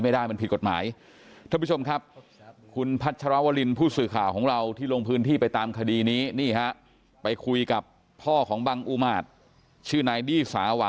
ไม่อยากให้กลัวปลัวระบาดตรงนี้